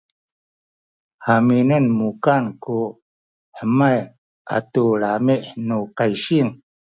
haminen mukan ku hemay atu lami’ nu kaysing